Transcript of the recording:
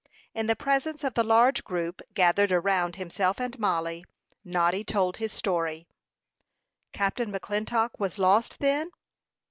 In the presence of the large group gathered around himself and Mollie, Noddy told his story. "Captain McClintock was lost, then?"